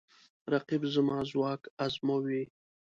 رقیب زما ځواک ازموي